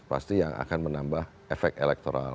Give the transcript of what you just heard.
pasti yang akan menambah efek elektoral